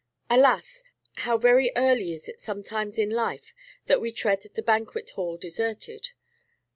Alas! how very early is it sometimes in life that we tread "the banquet hall deserted."